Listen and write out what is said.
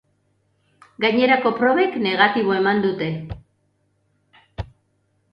Gainerako probek negatibo eman dute.